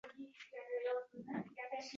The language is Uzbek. — Ha. Men ozgina kattaroq ekanman.